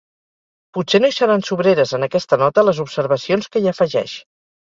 Potser no hi seran sobreres en aquesta nota les observacions que hi afegeix.